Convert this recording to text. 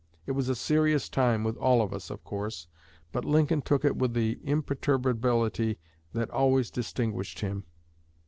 It was a serious time with all of us, of course, but Lincoln took it with the imperturbability that always distinguished him."